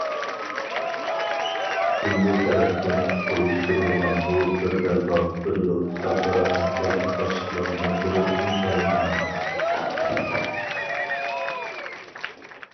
جۇڭگو تەرەپتىن ئۇيۇشتۇرۇلغان بۇ« بىر بەلباغ، بىر يول» خەلقئارا ھەمكارلىق باشلىقلار مۇنبىرى ئىنتايىن مۇھىم.